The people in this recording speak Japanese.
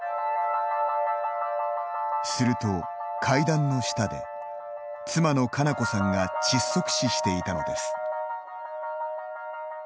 すると、階段の下で妻の佳菜子さんが窒息死していたのです。